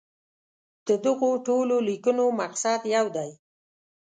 د دغو ټولو لیکنو مقصد یو دی.